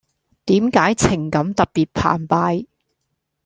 點解情感特別澎湃⠀